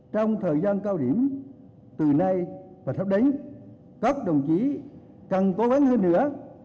trong thời gian cao điểm từ nay và thấp đánh các đồng chí cần cố gắng hơn nữa